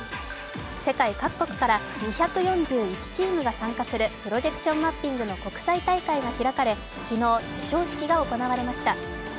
世界各国から２４１チームが参加するプロジェクションマッピングの国際大会が開かれ昨日、授賞式が行われました。